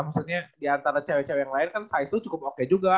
maksudnya diantara cewe cewe yang lain kan size lu cukup oke juga